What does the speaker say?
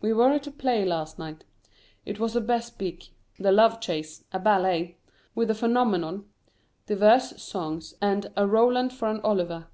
We were at the play last night. It was a bespeak "The Love Chase," a ballet (with a phenomenon!), divers songs, and "A Roland for an Oliver."